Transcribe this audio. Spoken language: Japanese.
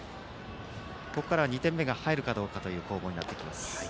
ここからは２点目が入るかという攻防になります。